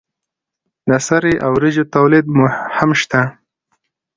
د سرې او وریجو تولید هم شته.